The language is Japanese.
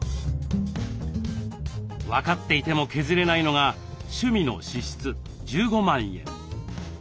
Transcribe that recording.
分かっていても削れないのが趣味の支出１５万円。